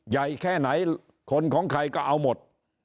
ใหญ่แค่ไหนคนของใครก็เอาหมด